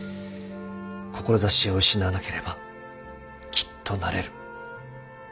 志を失わなければきっとなれる。